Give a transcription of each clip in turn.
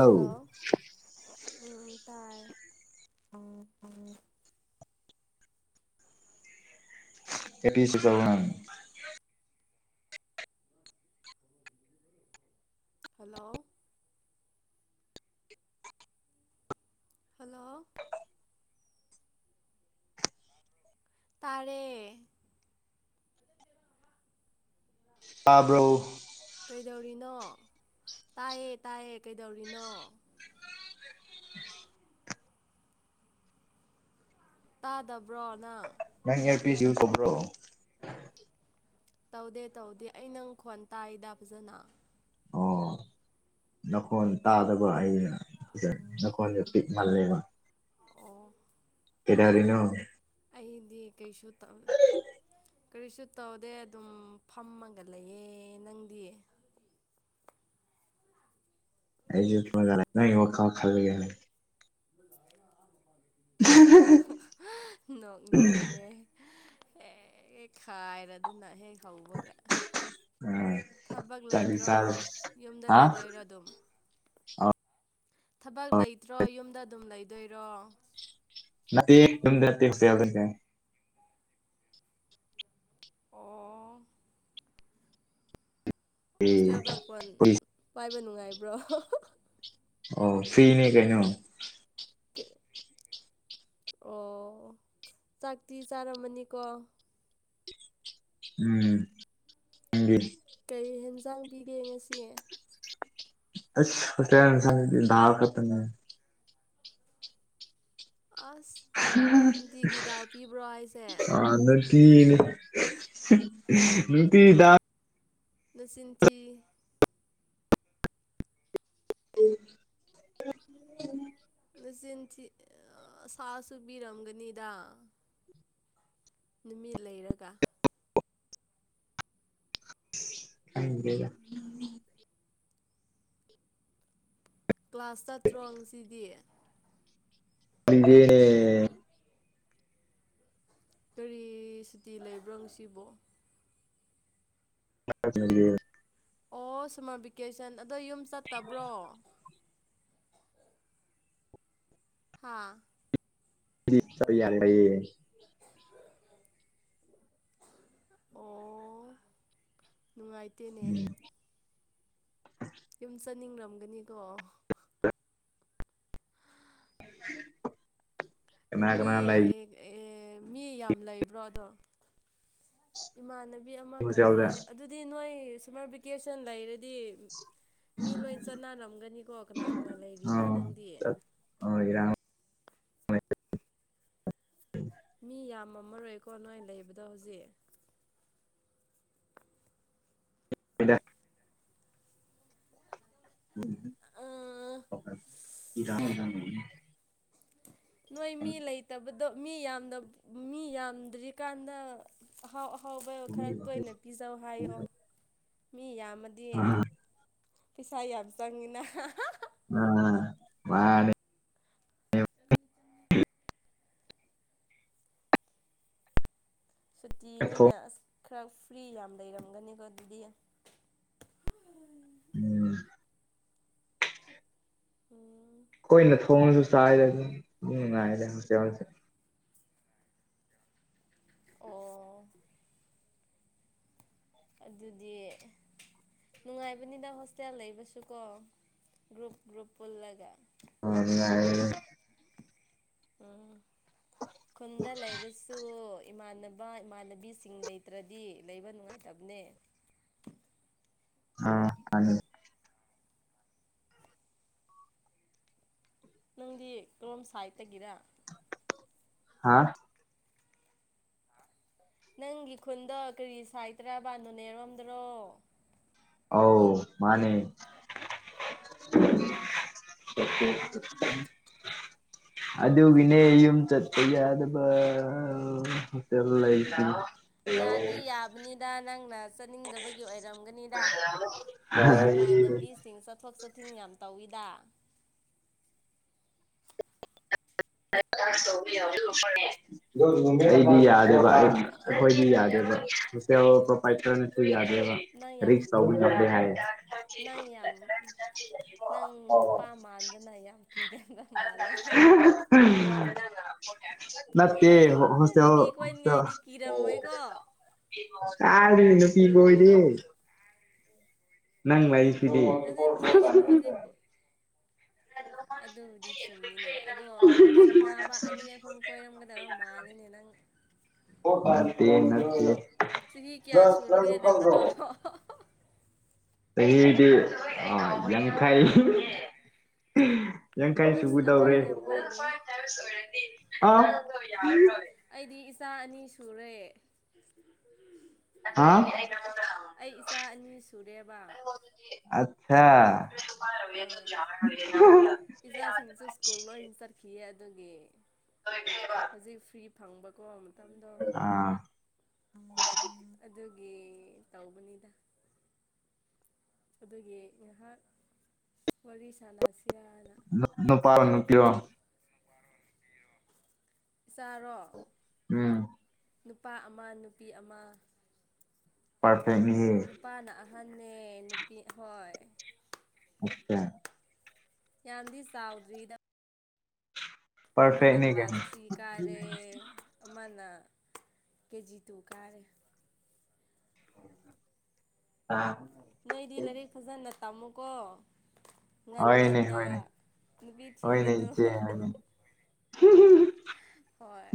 Hello ꯎꯝ ꯇꯥꯏ ꯀꯦ ꯄꯁꯤꯀꯕꯅꯥꯅꯤ ꯍꯜꯂꯣ ꯍꯜꯂꯣ [unintelligible] ꯇꯔꯦ ꯇꯥꯕ꯭ꯔꯧ ꯀꯩꯗꯧꯔꯤꯅꯣ ꯇꯥꯏꯌꯦ ꯇꯥꯏꯌꯦ ꯀꯩꯗꯧꯔꯤꯅꯣ ꯇꯥꯗꯕ꯭ꯔꯣꯅ ꯃꯌꯥꯔ ꯄꯤꯁꯤꯎ ꯀꯣꯨꯝ꯭ꯔꯣ ꯇꯧꯗꯦ ꯇꯧꯗꯦ ꯑꯩ ꯅꯪ ꯈꯣꯟ ꯇꯥꯏꯗ ꯐꯖꯅ ꯑꯣ ꯅꯈꯣꯟ ꯇꯥꯗꯕ ꯑ ꯅ ꯀꯣꯟꯣꯟꯖꯄꯤꯤ ꯃꯥꯜꯂꯦꯕ ꯑꯣ ꯀꯦꯗꯥꯔꯤꯅꯣ ꯑꯩꯗꯤ ꯀꯩꯁꯨ ꯇ ꯀꯔꯤꯁꯨ ꯇꯧꯗꯦ ꯑꯗꯨꯝ ꯐꯝꯃꯒ ꯂꯩꯌꯦ ꯅꯪꯗꯤ ꯑꯩꯖ ꯃ ꯀ ꯈꯜꯕꯤꯒ ꯅꯣꯛꯅꯤꯡꯑꯦ꯫ ꯍꯦꯛꯦꯛ ꯈꯥꯏꯔꯗꯨꯅ ꯍꯦꯛ ꯍꯧꯕꯒ꯫ ꯑꯥ ꯊꯕꯛ ꯆꯥꯛꯇꯤ ꯂꯩꯇ꯭ꯔꯣ ꯆꯥꯔꯦ ꯌꯨꯝꯗ ꯍꯥ ꯂꯩꯗꯣꯏꯔꯣ ꯑꯗꯨꯝ꯫ ꯑꯣ ꯊꯕꯛ ꯂꯩꯇ꯭ꯔꯣ ꯌꯨꯝꯗ ꯑꯗꯨꯝ ꯂꯩꯗꯣꯏꯔꯣ꯫ [unintelligible] ꯑꯣ꯫ ꯑꯦ ꯍꯣꯁꯇꯦꯜꯗ ꯐꯣꯟ ꯄꯥꯏꯕ ꯅꯨꯡꯉꯥꯏꯕ꯭ꯔꯣ꯫ ꯑꯣ ꯐꯤꯅꯦ ꯀꯩꯅꯣ꯫ ꯀꯩ꯫ ꯑꯣ ꯆꯥꯛꯇꯤ ꯆꯥꯔꯝꯃꯅꯤꯀꯣ꯫ ꯎꯝ ꯅꯪꯗꯤ꯫ ꯀꯩ ꯍꯦꯟꯖꯥꯡ ꯄꯤꯒꯦ ꯉꯁꯤ꯫ ꯑꯁ ꯍꫭꯁꯇꯦꯜ ꯍꯦꯟꯁꯥꯡꯗꯤ ꯗꯥꯜ ꯈꯛꯇꯪꯅꯦ꯫ ꯑꯁ꯫ ꯅꯨꯡꯇꯤꯒꯤ ꯗꯥꯜ ꯄꯤꯕ꯭ꯔꯣ ꯍꯥꯏꯁꯦ [unintelligible] ꯅꯨꯇꯤ ꯗꯥ ꯂꯁꯤꯡꯟꯆꯤ ꯎꯝ ꯆꯤꯟ ꯁꯥ ꯁꯨꯕꯤꯔꯝꯒꯅꯤꯗ ꯅꯨꯃꯤꯠ ꯂꯩꯔꯒ [unintelligible] ꯀ꯭ꯂꯥꯁ ꯆꯥꯠꯇ꯭ꯔꯣ ꯉꯁꯤꯗꯤ꯫ ꯀꯩꯖꯩꯅꯦ꯫ ꯀꯔꯤ ꯁꯨꯇꯤ ꯂꯩꯕ꯭ꯔꯣ ꯉꯁꯤꯕꯣ꯫ [unintelligible] [inaudible] ꯑꯣ ꯁꯝꯃꯔ ꯚꯦꯀꯦꯁꯟ ꯑꯗꯣ ꯌꯨꯝ ꯆꯠꯇꯕ꯭ꯔꯣ꯫ ꯍꯥꯥ꯫ [unintelligible] ꯑꯣ ꯅꯨꯡꯉꯥꯏꯇꯦꯅꯦ꯫ ꯎꯝ ꯌꯨꯝ ꯆꯠꯅꯤꯡꯔꯝꯒꯅꯤꯀꯣ꯫ ꯃꯤ ꯀꯅꯥ-ꯀꯅꯥ ꯂꯩ꯫ ꯃꯤ ꯌꯥꯝ ꯂꯩꯕ꯭ꯔꯣ ꯑꯗꯣ ꯏꯃꯥꯅ ꯃꯤ ꯑꯃꯒ ꯍꯣꯁꯇꯦꯜꯗ ꯂꯩꯌꯦ ꯑꯗꯨꯗꯤ ꯅꯣꯏ ꯁꯝꯃꯔ ꯚꯦꯀꯦꯁꯟ ꯂꯩꯔꯗꯤ ꯃꯤ ꯂꯣꯏ ꯆꯠꯅꯔꯝꯒꯅꯤꯀꯣ ꯀꯅꯥ-ꯀꯅꯥ ꯂꯩꯔꯤꯒꯦ ꯑꯥ ꯅꯪꯗꯤ꯫ ꯆꯠ ꯑꯥ ꯏꯔꯥꯡ ꯃꯤ ꯌꯥꯝꯃꯝꯑꯔꯣꯏꯀꯣ ꯅꯣꯏ ꯂꯩꯕꯗꯣ ꯍꯧꯖꯤꯛ꯫ [unintelligible] ꯗꯥ ꯅꯣꯏ ꯃꯤ ꯂꯩꯇꯕꯗꯣ ꯃꯤ ꯌꯥꯝꯅ ꯃꯤ ꯌꯥꯝꯗ꯭ꯔꯤꯀꯥꯟꯗ ꯑꯍꯥꯎ ꯑ ꯑꯍꯎꯕꯣ ꯈꯔ ꯇꯣꯏꯅ ꯄꯤꯖꯧ ꯍꯥꯏꯌꯣ ꯃꯤ ꯌꯥꯝꯑꯗꯤ ꯄꯩꯁꯥ ꯌꯥꯝ ꯆꯪꯅꯤꯅ ꯑꯍꯍ꯫ ꯑ ꯃꯥꯅꯦ꯫ [unintelligible] ꯊꯣꯡ ꯁꯨꯇꯤꯅꯤꯅ ꯑꯁ ꯈꯔ ꯐ꯭ꯔꯤ ꯌꯥꯝ ꯂꯩꯔꯝꯒꯅꯤꯀꯣ ꯑꯗꯨꯗꯤ꯫ ꯎꯝ꯫ ꯎꯝ꯫ ꯑꯩꯈꯣꯏꯅ ꯊꯣꯡꯉꯁꯨ ꯆꯥꯏꯗ ꯑꯗꯨꯝ ꯅꯨꯡꯉꯥꯏꯗ ꯍꯣꯁꯇꯦꯜꯁꯦ꯫ ꯑꯣ꯫ ꯑꯗꯨꯗꯤ ꯅꯨꯡꯉꯥꯏꯕꯅꯤꯗ ꯍꯣꯁꯇꯦꯜ ꯂꯩꯕꯁꯨꯀꯣ ꯒ꯭ꯔꯨꯞ ꯒ꯭ꯔꯨꯞ ꯄꯨꯜꯂꯒ꯫ ꯑꫭ ꯅꯨꯡꯉꯥꯏꯒꯅꯤ꯫ ꯎꯝ [inaudible] ꯈꯨꯟꯗ ꯂꯩꯔꯁꯨ ꯏꯃꯥꯟꯅꯕ ꯏꯃꯥꯟꯅꯕꯤꯁꯤꯡ ꯂꯩꯇ꯭ꯔꯗꯤ ꯂꯩꯕ ꯅꯨꯡꯉꯥꯏꯇ ꯅꯦ ꯑꯥ [unintelligible] ꯅꯪꯗꯤ ꯀꯔꯣꯝ ꯁꯥꯏꯠꯇ ꯒꯤꯔꯥ ꯍꯥꯥ ꯅꯪꯒꯤ ꯈꯨꯟꯗꯣ ꯀꯔꯤ ꯁꯥꯏꯇ ꯇꯔꯥꯕ ꯅꯣꯅꯦꯔꯣꯝꯗꯔꯣ ꯑꯧ ꯃꯥꯅꯦ ꯑꯣ [inaudible] ꯑꯗꯨꯒꯤꯅꯦ ꯌꯨꯝ ꯆꯠꯄ ꯌꯥꯗꯕ ꯍꯣꯁꯇꯦꯜꯗ ꯂꯩꯁꯤ ꯌꯥꯗꯤ ꯌꯥꯕꯅꯤꯗ ꯅꯪꯅ ꯆꯠꯅꯤꯡꯗꯕꯒꯤ ꯑꯣꯏꯔꯝ ꯒꯅꯤꯗ ꯃꯤ ꯏꯃꯥꯟꯅꯕꯤꯁꯤꯡ ꯆꯠꯊꯣꯛ ꯆꯠ ꯊꯤꯡ ꯌꯥꯝ ꯇꯧꯋꯤꯗ ꯑꯩꯗꯤ ꯌꯥꯗꯦꯕ ꯑꯩ ꯑꯩꯈꯣꯏꯗꯤ ꯌꯥꯗꯦꯕ ꯁꯣꯁꯤꯌꯣ ꯄ꯭ꯔꯣꯄꯥꯢꯇꯔꯅꯁꯨ ꯌꯥꯗꯦꯕ ꯅꯪ ꯌꯥꯝ [unintelligible] ꯅꯪ ꯌꯥꯝ ꯅꯪ ꯅꯨꯄꯥ ꯃꯥꯟꯗꯅ ꯌꯥꯝ ꯀꯤꯒꯟꯕ ꯃꯥꯜꯂꯦ꯫ ꯅꯠꯇꯦ ꯅꯨꯄꯤ ꯍꫭꯁꯇꯦꯜꯗ ꯀꯣꯏꯅꯤꯡꯉꯥꯏꯗꯤ ꯀꯤꯔꯝꯃꯣꯏꯀꯣ ꯀꯥꯏꯗꯒꯤ ꯅꯨꯄꯤ ꯀꫭꯏꯗꯦꯍꯦ꯫ ꯅꯪ ꯂꯩ ꯅꯆꯤꯟ ꯊꯤꯒꯅꯨ ꯍꯧꯖꯤꯛꯄꯨ ꯑꯗꯨꯕꯨꯗꯤ ꯆꯨꯝꯃꯤꯅꯦ ꯑꯗꯣ ꯆꯤꯡꯅꯥꯕ ꯑꯅꯤ ꯑꯍꯨꯝ ꯀꯣꯏꯔꯝꯒꯗꯕ ꯃꯥꯜꯂꯤꯅꯦ ꯅꯪ [unintelligible] ꯆꯤꯍꯤ ꯀꯌꯥ ꯁꯨꯔꯒꯦ ꯅꯪ ꯑꯗꯣ ꯅꯠꯇꯦ ꯆꯍꯤꯗꯤ ꯑ ꯌꯥꯝꯡꯈꯩ ꯌꯥꯡꯈꯩ ꯑꯁ ꯆꯨꯒꯗꯧꯔꯦ ꯑꯉꯥꯡ ꯌꯥꯝ ꯑꯣꯏꯔꯤ ꯑꯩꯗꯤ ꯏꯆꯥ ꯑꯅꯤ ꯁꯨꯔꯦ ꯑꯩ ꯏꯆꯥ ꯑꯅꯤ ꯁꯨꯔꯦꯕ ꯑꯪ ꯏꯆꯥꯁꯤꯡꯁꯨ ꯁ꯭ꯀꯨꯜ ꯂꯣꯏ [unintelligible] ꯆꯠꯈꯤꯌꯦ ꯑꯗꯨꯒꯤ ꯍꯧꯖꯤꯛ ꯐ꯭ꯔꯤ [unintelligible] ꯐꯪꯕꯀꯣ ꯃꯇꯝꯗꯣ ꯑꯥ ꯑꯗꯨ ꯒꯤ ꯇꯧꯎꯕꯅꯤꯗ ꯑꯗꯨꯒꯤ ꯉꯍꯥꯛ ꯅꯨꯄꯥꯥꯔꯣ ꯅꯨꯄꯤꯔꯣ ꯆꯥꯔꯣ ꯎꯝ ꯅꯨꯄꯥ ꯑꯃ ꯅꯨꯄꯤ ꯑꯃ ꯄꯥꯔꯐꯦꯛꯅꯤꯍꯦ ꯃꯥꯅꯦ ꯅꯨꯄꯤ ꯍꯣꯏ ꯑꯆꯥ ꯌꯥꯝꯗꯤ ꯆꯥꯎꯗ꯭ꯔꯤꯗ ꯑꯃꯅ ꯄꯔꯐꯦꯛꯅꯤ ꯀꯩꯅꯣ ꯀ꯭ꯂꯥꯁ ꯊ꯭ꯔꯤ ꯀꯥꯔꯦ ꯑꯃꯅ ꯀꯦꯖꯤ ꯇꯨ ꯀꯥꯔꯦ [inaudible] ꯅꯣꯏꯗꯤ ꯂꯥꯏꯔꯤꯛ ꯐꯖꯅ ꯇꯝꯃꯨꯀꯣ ꯉꯟ ꯍꯣꯏꯅꯦ ꯉꯟꯅ ꯍꯣꯏꯅꯦ ꯅꯨꯄꯤ ꯍꯣꯏꯅꯦ ꯊꯤꯒꯅꯨ ꯏꯆꯦ ꯍꯣꯏꯅꯦ ꯍꯣꯏ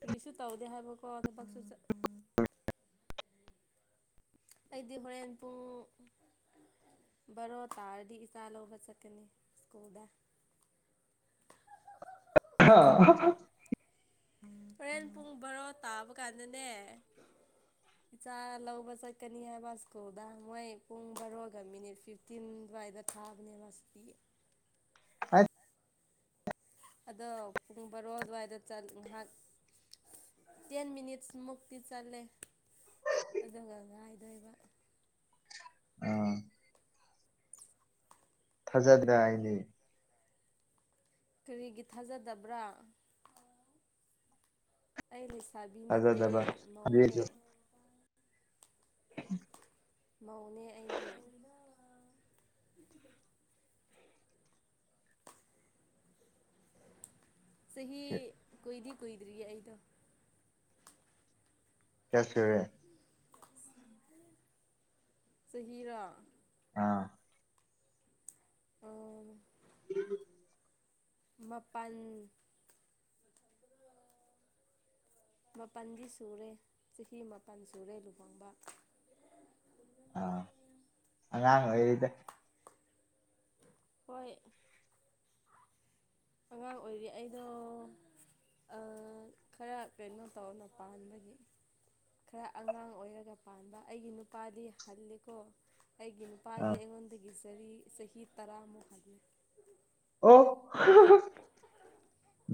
ꯀ꯭ꯔꯤꯁꯨ ꯇꯧꯗꯦ ꯍꯥꯏꯕꯀꯣ ꯊꯕꯛꯁꯨ ꯆꯠ ꯑꯩꯗꯤ ꯍꯣꯔꯦꯟ ꯄꯨꯡ ꯚꯥꯔꯣ ꯇꯥꯔꯗꯤ ꯏꯆꯥ ꯂꯧꯕ ꯆꯠꯀꯅꯤ ꯁ꯭ꯀꯨꯜꯗ ꯍꯥ ꯍꯣꯔꯦꯟ ꯄꯨꯡ ꯕꯔꯣ ꯇꯥꯕ ꯀꯥꯟꯗꯅꯦ [unintelligible] ꯆꯥ ꯂꯧꯕ ꯆꯠꯀꯅꯤ ꯍꯥꯏꯕ ꯁ꯭ꯀꯨꯜꯗ ꯃꯣꯏ ꯄꯨꯡ ꯕꯥꯔꯣꯒ ꯃꯤꯅꯤꯠ ꯐꯤꯐꯇꯤꯟ ꯑꯗꯨꯋꯥꯏꯗ ꯊꯥꯕꯅꯦꯕꯁꯤ ꯑ ꯑꯗꯣ ꯄꯨꯡ ꯕꯥꯔꯣ ꯑꯗꯨꯋꯥꯏꯗ ꯉꯥꯏꯍꯥꯛ ꯇꯦꯟꯦꯟ ꯃꯤꯅꯤꯠꯁ ꯃꯨꯛꯇꯤ ꯆꯜꯦ ꯑꯗꯨꯒ ꯉꯥꯏꯗꯣꯏꯕ ꯑꯥ ꯊꯥꯖꯗꯦ ꯍꯥꯏꯗꯤ ꯀꯔꯤꯒꯤ ꯊꯥꯖꯗꯕ꯭ꯔꯥ ꯑꯩ ꯂꯩꯁꯥꯕꯤ ꯅꯠꯇꯦ ꯊꯥꯖꯗꯕ ꯃꯧꯅꯦ ꯎ ꯃꯧꯅꯦ ꯑꯩꯗꯤ ꯆꯍꯤ ꯀꯨꯢꯗꯤ ꯀꯨꯏꯗ꯭ꯔꯤꯌꯦ ꯑꯩꯗꯣ ꯀꯌꯥ ꯁꯨꯔꯦ ꯆꯍꯤꯔꯣ ꯑꯥ ꯑ ꯎꯝ ꯃꯥꯄꯜ ꯃꯥꯄꯜꯗꯤ ꯁꯨꯔꯦ ꯆꯍꯤ ꯃꯥꯄꯜ ꯁꯨꯔꯦ ꯂꯨꯍꯣꯡꯕ ꯑꯥ ꯑꯉꯥꯡꯉꯗ ꯍꯣꯏ ꯑꯉꯥꯡ ꯑꯣꯏꯔꯤ ꯑꯩꯗꯣ ꯈꯔ ꯀꯩꯅꯣ ꯇꯧꯔꯅ ꯄꯥꯟꯕꯒꯤ ꯈꯔ ꯑꯉꯥꯡ ꯑꯣꯏꯔꯒ ꯄꯥꯟꯕ ꯑꯩꯒꯤ ꯅꯨꯄꯥꯗꯤ ꯍꯂꯀꯣ ꯑꯩꯒꯤ ꯅꯨꯄꯥꯗꯤ ꯑꯥ ꯑꯩꯉꯣꯟꯗꯒꯤ ꯆꯔꯤ ꯆꯍꯤ ꯇꯔꯥꯃꯨꯛ ꯍꯥꯏꯂ ꯑꯣ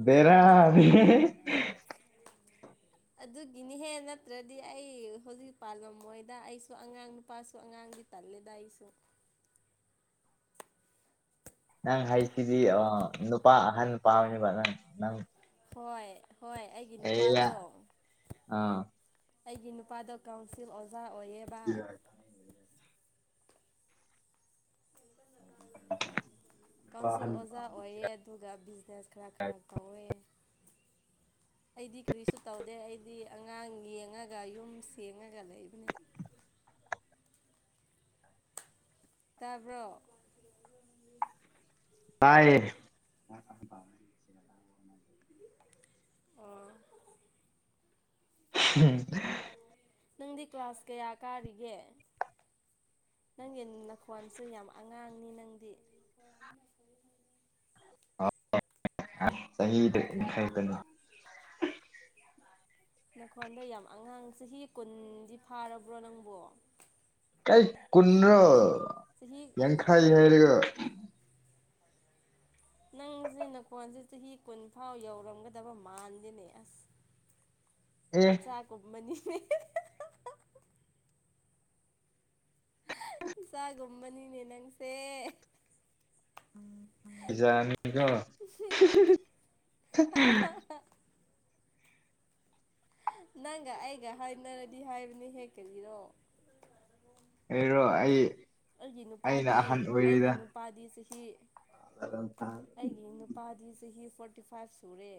ꯕꯔ ꯎꯝ ꯑꯗꯨꯒꯤꯅꯤꯍꯦ ꯅꯠꯇ꯭ꯔꯗꯤ ꯑꯩ ꯍꯧꯖꯤꯛ ꯄꯥꯜꯂꯝ ꯃꯣꯏꯗ ꯑꯩꯁꯨ ꯑꯉꯥꯡ ꯅꯨꯄꯥꯁꯨ ꯑꯉꯥꯡ ꯗꯤ ꯇꯂꯦꯗꯏꯁꯨꯣ [unintelligible] ꯅꯪ ꯍꯥꯏꯁꯤꯗꯤ ꯅꯨꯄꯥ ꯑꯍꯟ ꯅꯨꯄꯥ ꯑꯃꯅꯦꯕ ꯅꯪ ꯅꯪ ꯍꯣꯏ ꯍꯣꯏ ꯑꯩꯒꯤ ꯑꯦꯌꯥ ꯅꯨꯄꯥꯗꯣ ꯑꯥ ꯑꯩꯒꯤ ꯅꯨꯄꯥꯗ ꯀꯥꯎꯟꯁꯤꯜ ꯑꯣꯖꯥ ꯑꯣꯏꯌꯦꯕ [unintelligible] ꯀꯥꯎꯟꯁꯤꯜ ꯑꯣꯖꯥ ꯑꯣꯏꯑ ꯑꯗꯨꯒ ꯕꯤꯖꯤꯅꯦꯁ ꯈꯔ ꯈꯔ ꯇꯧꯋꯦ ꯍ ꯑꯩꯗꯤ ꯀꯔꯤꯁꯨ ꯇꯧꯗꯦ ꯑꯩꯗꯤ ꯑꯉꯥꯡ ꯌꯦꯡꯉꯒ ꯌꯨꯝ ꯁꯦꯡꯉꯒ ꯂꯩꯕꯅꯤ [unintelligible] ꯇꯥꯔꯕꯣ ꯇꯥꯏ ꯑꯣ ꯎꯝ ꯅꯪꯗꯤ ꯀ꯭ꯂꯥꯁ ꯀꯌꯥ ꯀꯥꯔꯤꯒꯦ ꯅꯪꯒꯤ ꯅꯈꯣꯟꯁꯨ ꯌꯥꯝ ꯑꯉꯥꯡꯅꯤ ꯅꯪꯗꯤ ꯑ ꯍ ꯈꯥꯏ ꯀꯅꯤ ꯅꯈꯣꯟꯗ ꯌꯥꯝ ꯑꯉꯥꯡ ꯆꯍꯤ ꯀꯨꯟꯗꯤ ꯐꯥꯔꯕ꯭ꯔꯣ ꯅꯪꯕꯣ ꯀꯥꯏ ꯀꯨꯟ꯭ꯔꯣ ꯆꯍꯤ ꯌꯦꯡ ꯈꯥꯏꯉꯔꯒ ꯅꯪꯁꯦ ꯅꯀꯣꯟꯁꯦ ꯆꯍꯤ ꯀꯨꯟ ꯐꯥꯎ ꯌꯧꯔꯝꯒꯗꯕ ꯃꯥꯟꯗꯦꯅꯦ ꯑꯁ ꯑꯦ ꯏꯆꯥꯥ ꯀꯃꯅꯤꯅꯦ ꯆꯒꯝꯕꯅꯤ ꯅꯅꯪꯁꯦ ꯀꯖꯥꯅꯤꯀꯣ ꯅꯪꯒ ꯑꯩꯒ ꯍꯥꯏꯅꯔꯗꯤ ꯍꯥꯏꯕꯅꯤ ꯍꯦꯛ ꯀꯔꯤꯔꯣ ꯑꯦꯔꯣ ꯑꯩ ꯑꯩꯒꯤ ꯑꯩꯅ ꯅꯨꯄꯥꯗꯤ ꯑꯍꯟ ꯑꯩꯒꯤ ꯑꯣꯏꯔꯤꯗ ꯅꯨꯄꯥꯗꯤ ꯆꯍꯤ ꯑꯩꯒꯤ ꯅꯨꯄꯥꯗꯤ ꯆꯍꯤ ꯐꯣꯔꯇꯤ ꯐꯥꯏꯚ ꯁꯨꯔꯦ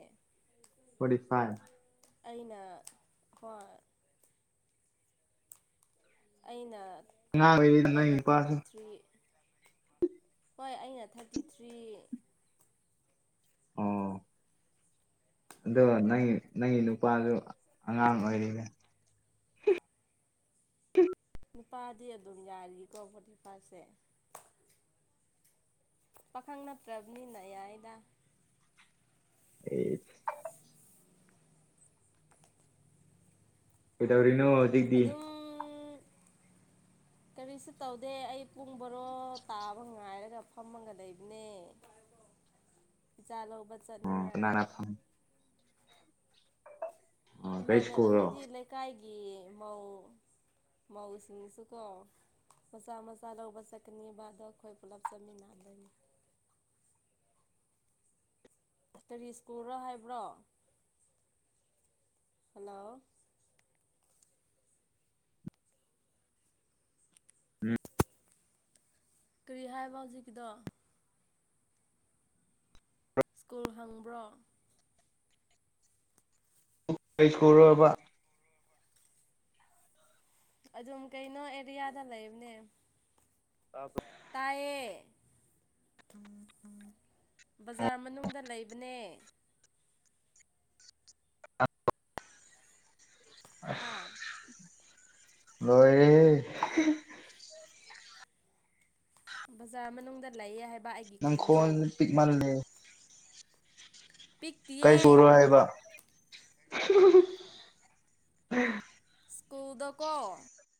ꯑꯣꯔꯤꯁꯥ ꯑꯩꯅ ꯀ ꯑꯏꯩꯅ ꯉ ꯅ ꯄꯥꯁ ꯍꯣꯏ ꯑꯩꯅ ꯊꯥꯔꯇꯤ ꯊ꯭ꯔꯤ ꯑꯣ ꯑꯗꯣ ꯅꯪ ꯅꯪꯒꯤ ꯅꯨꯄꯥꯗꯨ ꯑꯉꯥꯡ ꯑꯣꯏꯔꯤꯅꯦ ꯅꯨꯄꯥꯗꯤ ꯑꯗꯨꯝ ꯌꯥꯔꯤꯀꯣ ꯕꯣꯄꯥꯁꯦ ꯄꯥꯈꯪꯅ ꯇ꯭ꯔꯥꯕꯅꯤ ꯑꯌꯥꯗ ꯑꯦ ꯀꯩꯗꯧꯔꯤꯅꯣ ꯍꯧꯖꯤꯛꯇꯤ ꯑꯗꯨꯝ [unintelligible] ꯀꯔꯤꯁꯨ ꯇꯧꯗꯦ ꯑꯩ ꯄꯨꯡ ꯕꯣꯔꯣ ꯇꯥꯕ ꯉꯥꯏꯔꯒ ꯐꯝꯃꯒ ꯂꯩꯕꯅꯦ [unintelligible] ꯄꯤꯖꯥ ꯂꯧꯕ ꯆꯠꯅꯤꯡꯉꯥꯏ ꯀꯅꯥꯅ ꯐꯪ ꯀꯩ ꯏꯃꯥꯟꯅ ꯁ꯭ꯀꯨꯜꯔꯣ ꯍꯥꯏꯗꯤ ꯂꯩꯀꯥꯏꯒꯤ [unintelligible] ꯃꯎꯁꯤꯡꯁꯨꯀ ꯃꯁꯥ ꯃꯁꯥ ꯎꯕ ꯆꯀꯅꯤꯕꯥꯗ ꯈꯣꯣꯏ ꯄꯂꯞ ꯆꯃꯤꯅꯥꯗꯅꯤ ꯑ ꯀꯔꯤ ꯁ꯭ꯀꯔꯣ ꯍꯥꯏꯕ꯭ꯔꯣ ꯍꯜꯂꯣ ꯎꯝ ꯀꯔꯤ ꯍꯥꯏꯕ ꯍꯧꯖꯤꯛꯗ ꯁ꯭ꯀꯨꯜ ꯍꯪꯕ꯭ꯔꯣ ꯀꯩ ꯁꯔꯕ ꯑꯗꯨꯝ ꯀꯩꯅꯣ ꯑꯦꯔꯤꯌꯥꯗ ꯂꯩꯕꯅꯦ ꯇꯥꯏꯌꯦ ꯎ ꯎ ꯕꯖꯥꯔ ꯃꯅꯨꯡꯗ ꯂꯩꯕꯅꯦ ꯍꯥ ꯂꯣꯏ ꯕꯖꯥꯔ ꯃꯅꯨꯡꯗ ꯂꯩꯌꯦ ꯍꯥꯏꯕ ꯑꯩꯒꯤ ꯅꯪ ꯈꯨꯟꯗꯣ ꯈꯣꯟ ꯄꯤꯛ ꯃꯥꯜꯂꯦ ꯀꯩ ꯁꯨꯔꯣ ꯄꯤꯛꯇꯤꯌꯦ ꯍꯥꯏꯕ ꯀꯀꯨꯗꯀꯣ